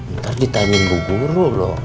ntar ditanyain ibu guru loh